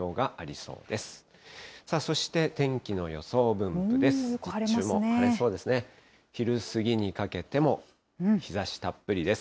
そして、天気の予想分布です。